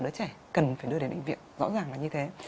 đứa trẻ cần phải đưa đến bệnh viện rõ ràng là như thế